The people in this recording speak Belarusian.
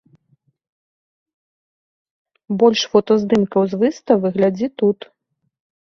Больш фотаздымкаў з выставы глядзі тут.